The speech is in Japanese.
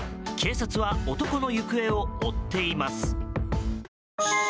警察は男の行方を追っています。